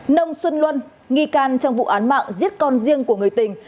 nông xuân luân nghi can trong vụ án mạng giết con riêng của người tình